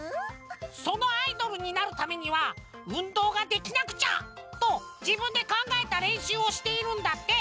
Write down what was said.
そのアイドルになるためにはうんどうができなくちゃ！とじぶんでかんがえたれんしゅうをしているんだって。